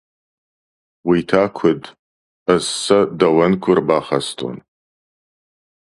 Уый та куыд, ӕз сӕ дӕуӕн куы ӕрбахастон!